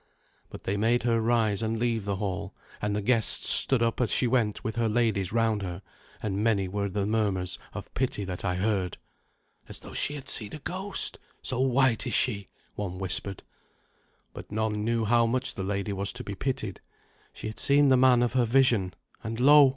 But they made her rise and leave the hall; and the guests stood up as she went with her ladies round her, and many were the murmurs of pity that I heard. "As though she had seen a ghost, so white is she," one whispered. But none knew how much the lady was to be pitied. She had seen the man of her vision; and, lo!